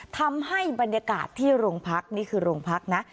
ทำให้บรรยากาศที่โรงพักนี่คือโรงพักนะ